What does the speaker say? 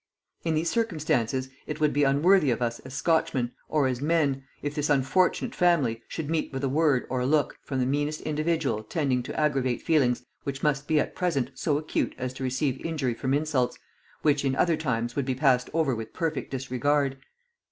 In these circumstances it would be unworthy of us as Scotchmen, or as men, if this unfortunate family should meet with a word or a look from the meanest individual tending to aggravate feelings which must be at present so acute as to receive injury from insults, which in other times would be passed over with perfect disregard.